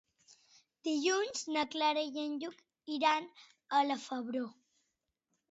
Dilluns na Clara i en Lluc iran a la Febró.